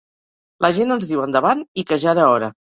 La gent ens diu endavant i que ja era hora.